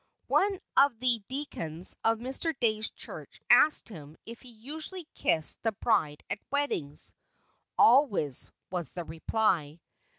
One of the deacons of Mr. Dey's church asked him if he usually kissed the bride at weddings. "Always," was the reply.